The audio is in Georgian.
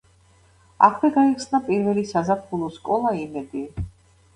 აქვე გაიხსნა პირველი საზაფხულო სკოლა „იმედი“.